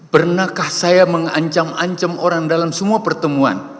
pernahkah saya mengancam ancam orang dalam semua pertemuan